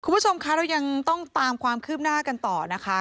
คุณผู้ชมคะเรายังต้องตามความคืบหน้ากันต่อนะคะ